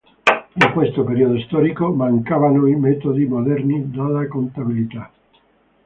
In questo periodo storico mancavano i metodi moderni della contabilità.